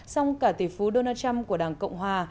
song cả tỷ phú donald trump của đảng cộng hòa